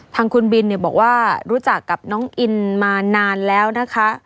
ทางคุณบินบอกว่ารู้จักกับน้องอินมานานแล้วนะคะ